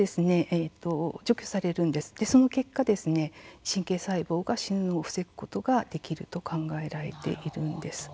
その結果、神経細胞が死ぬのを防ぐことができると考えられているんです。